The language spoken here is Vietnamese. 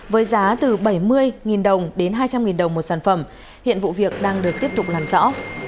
với giá từ bảy mươi đồng đến hai trăm linh đồng một sản phẩm hiện vụ việc đang được tiếp tục làm rõ